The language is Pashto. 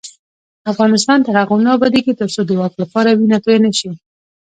افغانستان تر هغو نه ابادیږي، ترڅو د واک لپاره وینه تویه نشي.